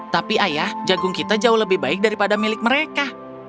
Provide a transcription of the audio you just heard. tapi ayah jagung kita jauh lebih baik daripada milik mereka